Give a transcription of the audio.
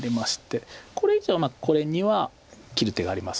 これ以上これには切る手があります。